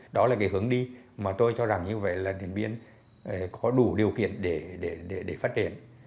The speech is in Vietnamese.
đó là cái hướng đi mà tôi cho rằng như vậy là điện biên có đủ điều kiện để phát triển